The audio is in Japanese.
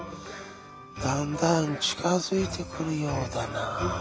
だんだんちかづいてくるようだなあ」。